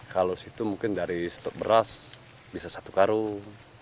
kalau situ mungkin dari stok beras bisa satu karung